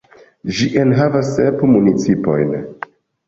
Ĝi enhavas sep municipojn.